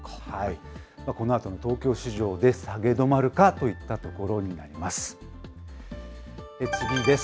このあとの東京市場で下げ止まるかといったところになります。